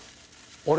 あれ？